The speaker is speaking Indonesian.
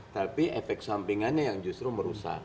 tapi efek sampingannya yang justru merusak